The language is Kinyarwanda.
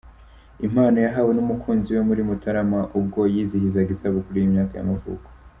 impano yahawe n’umukunzi we muri Mutarama. ubwo yizihizaga isabukuru y’imyaka y’amavuko.